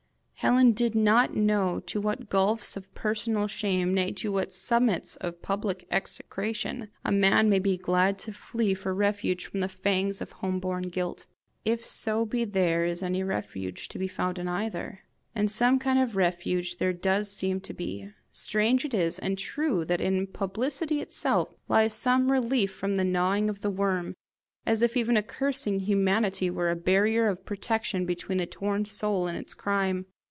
Helen did not know to what gulfs of personal shame, nay, to what summits of public execration, a man may be glad to flee for refuge from the fangs of home born guilt if so be there is any refuge to be found in either. And some kind of refuge there does seem to be. Strange it is and true that in publicity itself lies some relief from the gnawing of the worm as if even a cursing humanity were a barrier of protection between the torn soul and its crime.